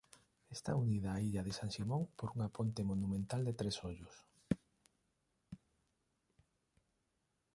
Está unida á illa de San Simón por unha ponte monumental de tres ollos.